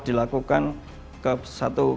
dilakukan ke satu